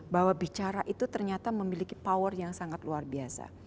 bahwa bicara itu ternyata memiliki power yang sangat luar biasa